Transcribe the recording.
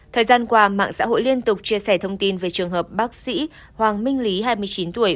thời gian qua mạng xã hội liên tục chia sẻ thông tin về trường hợp bác sĩ hoàng minh lý hai mươi chín tuổi